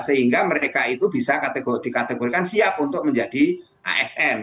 sehingga mereka itu bisa dikategorikan siap untuk menjadi asn